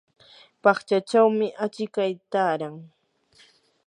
paqchachawmi achikay taaran.